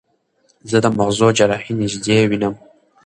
زه د مغزو جراحي نږدې وینم.